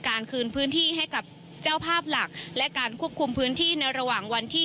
คืนพื้นที่ให้กับเจ้าภาพหลักและการควบคุมพื้นที่ในระหว่างวันที่